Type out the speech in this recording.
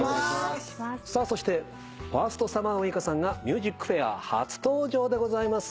そしてファーストサマーウイカさんが『ＭＵＳＩＣＦＡＩＲ』初登場でございます。